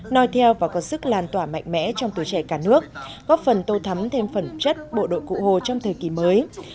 nói theo và có sức lan tỏa mạnh mẽ trong tuổi trẻ cả nước góp phần tô thắm thêm phẩm chất bộ đội cụ hồ trong thời kỳ mới